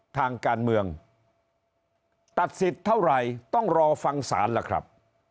ทางการเมืองตัดสิทธิ์เท่าไหร่ต้องรอฟังศาลล่ะครับ